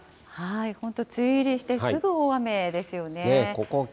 本当、梅雨入りしてすぐ大雨ですよね。